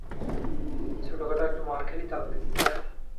ছোটখাটো একটা মার খেলি তাহলে, হাহ!